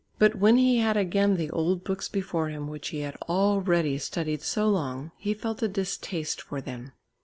But when he had again the old books before him which he had already studied so long, he felt a distaste for them.